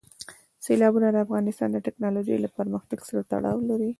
سیلابونه د افغانستان د تکنالوژۍ له پرمختګ سره تړاو لري.